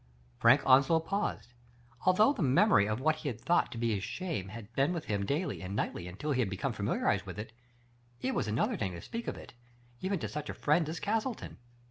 Frank Onslow paused. Although the memory of what he had thought to be his shame had been with him daily and nightly until he had become familiarized with it, it was another thing to speak of it, even to such a friend as Castleton.